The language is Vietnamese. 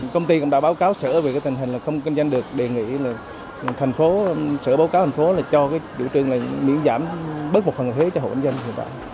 công ty cũng đã báo cáo sửa về cái tình hình là không kinh doanh được đề nghị là thành phố sửa báo cáo thành phố là cho cái chủ trương là miễn giảm bất phục phần thế cho hộ kinh doanh